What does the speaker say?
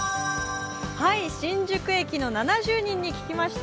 新宿駅の７０人に聞きました。